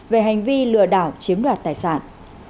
về hành vi lừa đảo chiếm đoạt tài sản